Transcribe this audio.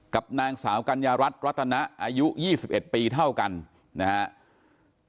กับนางสาวกัญญารัฐรัตนะอายุ๒๑ปีเท่ากันนะครับ